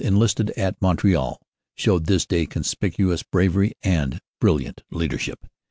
enlisted at Montreal, showed this day conspicuous bravery and brilliant leadership.